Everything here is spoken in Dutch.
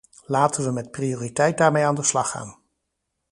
Laten we met prioriteit daarmee aan de slag gaan!